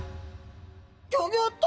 ギョギョッと！